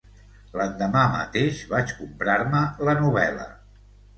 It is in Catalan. L'endemà mateix vaig comprar-me la novel·la.